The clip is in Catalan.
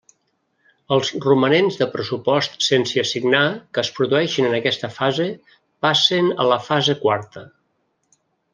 Els romanents de pressupost sense assignar que es produeixin en aquesta fase passen a la fase quarta.